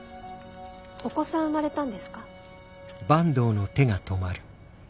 お子さん生まれたんですか？